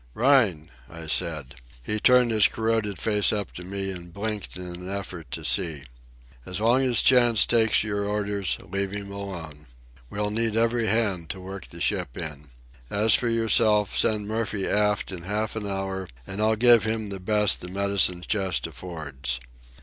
"Rhine!" I said. He turned his corroded face up to me and blinked in an effort to see. "As long as Chantz takes your orders, leave him alone. We'll need every hand to work the ship in. As for yourself, send Murphy aft in half an hour and I'll give him the best the medicine chest affords.